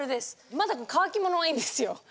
まだ乾き物はいいんですよ。